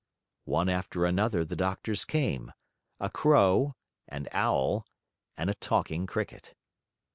One after another the doctors came, a Crow, and Owl, and a Talking Cricket.